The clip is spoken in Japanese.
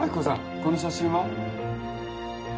この写真は？